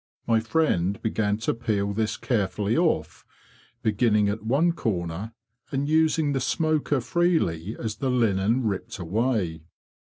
My friend began to peel this carefully off, beginning at one corner and using the smoker freely as the linen ripped away.